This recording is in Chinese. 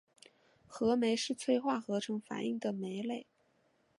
合酶是催化合成反应的酶类。